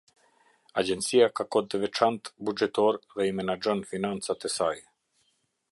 Agjencia ka kod të veçantë buxhetor dhe i menaxhon financat e saj.